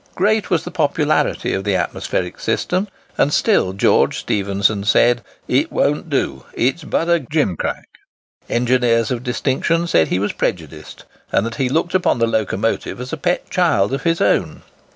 Great was the popularity of the atmospheric system; and still George Stephenson said "It won't do: it's but a gimcrack." Engineers of distinction said he was prejudiced, and that he looked upon the locomotive as a pet child of his own.